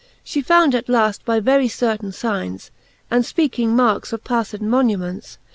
She found at laft by very certaine fignes, And fpeaking markes of pafled monuments.